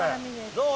どう？